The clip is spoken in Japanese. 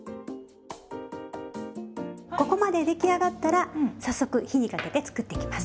ここまで出来上がったら早速火にかけて作っていきます。